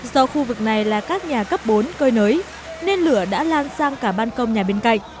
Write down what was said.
do khu vực này là các nhà cấp bốn cơi nới nên lửa đã lan sang cả ban công nhà bên cạnh